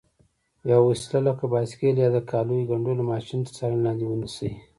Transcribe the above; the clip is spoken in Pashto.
یوه وسیله لکه بایسکل یا د کالیو ګنډلو ماشین تر څارنې لاندې ونیسئ.